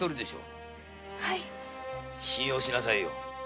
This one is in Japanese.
信用しなさいよ。